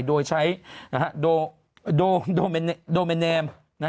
โดยใช้โดเมนเนม